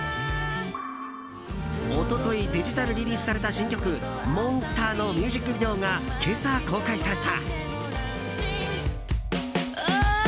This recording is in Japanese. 一昨日デジタルリリースされた新曲「モンスター」のミュージックビデオが今朝、公開された。